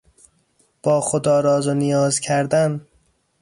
با خدا راز و نیاز کردن